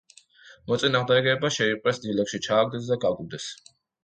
მოწინააღმდეგეებმა შეიპყრეს, დილეგში ჩააგდეს და გაგუდეს.